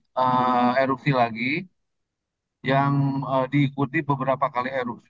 jadi erupsi lagi yang diikuti beberapa kali erupsi